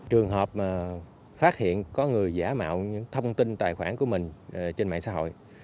trường hợp phát hiện có người giả mạo những thông tin tài khoản của mình trên mạng xã hội